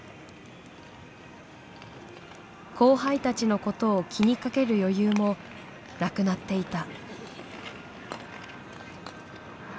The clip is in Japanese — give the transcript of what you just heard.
後輩たちのことを気にかける余裕もなくなっていた。